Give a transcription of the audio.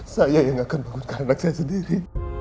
saya yang akan menguruskan anak saya sendiri